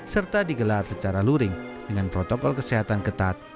serta digelar secara luring dengan protokol kesehatan ketat